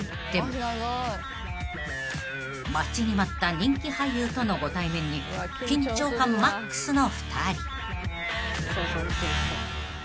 ［待ちに待った人気俳優とのご対面に緊張感マックスの２人］